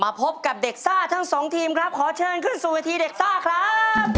พบกับเด็กซ่าทั้งสองทีมครับขอเชิญขึ้นสู่เวทีเด็กซ่าครับ